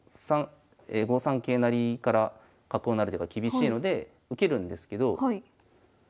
５三桂成から角を成る手が厳しいので受けるんですけど。